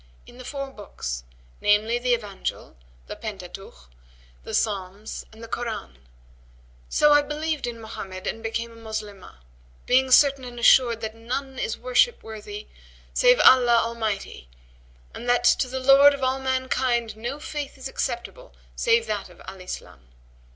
in the four books, namely the Evangel, the Pentateuch, the Psalms and the Koran;[FN#124] so I believed in Mohammed and became a Moslemah, being certain and assured that none is worship worth save Allah Almighty, and that to the Lord of all mankind no faith is acceptable save that of Al Islam.